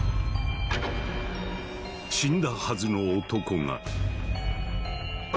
死んだはずの男が。